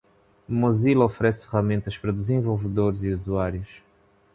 Mozilla oferece ferramentas para desenvolvedores e usuários.